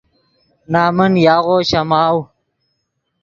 نَمن یاغو شَماؤ